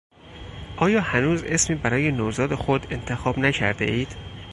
آیا هنوز اسمی برای نوزاد خود انتخاب نکردهاید؟